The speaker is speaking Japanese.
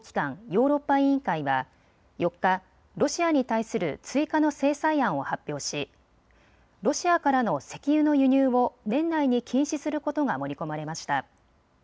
ヨーロッパ委員会は４日ロシアに対する追加の制裁案を発表しロシアからの石油の輸入を年内に禁止することが盛り込まれました。